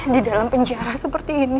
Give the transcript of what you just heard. di dalam penjara seperti ini